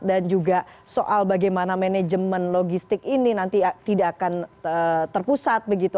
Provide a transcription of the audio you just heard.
dan juga soal bagaimana manajemen logistik ini nanti tidak akan terpusat begitu